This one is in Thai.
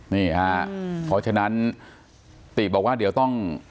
นี่ฮะเพราะฉะนั้นติบอกว่าเดี๋ยวต้อง